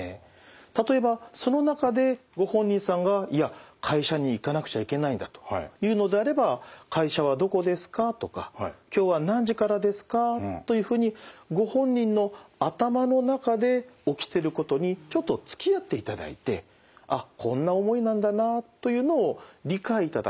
例えばその中でご本人さんが「いや会社に行かなくちゃいけないんだ」と言うのであれば「会社はどこですか？」とか「今日は何時からですか？」というふうにご本人の頭の中で起きてることにちょっとつきあっていただいてあっこんな思いなんだなというのを理解いただく